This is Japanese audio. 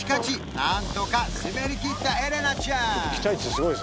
なんとか滑りきったエレナちゃん